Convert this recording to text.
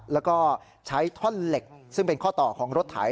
แล้วก็ใช้ท่อนเหล็กซึ่งเป็นข้อต่อของรถไถ